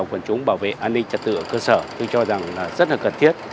quần chúng bảo vệ an ninh trật tự ở cơ sở tôi cho rằng là rất là cần thiết